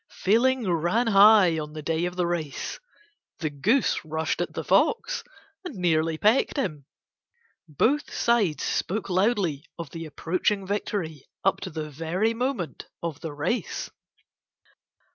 Feeling ran high on the day of the race; the goose rushed at the fox and nearly pecked him. Both sides spoke loudly of the approaching victory up to the very moment of the race.